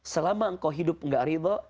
selama engkau hidup gak ridho